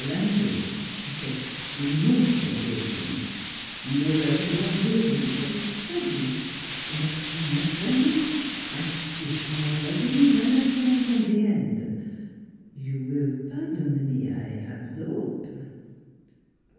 " Your language," he said, " ees mos' engaging. Nevair do I weary of its study. But naturelle ment I spik more readily zan I comprehend. You will pardon me, I 'ave ze hope?"